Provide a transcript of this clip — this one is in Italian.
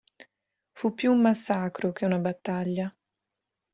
Fu più un massacro che una battaglia.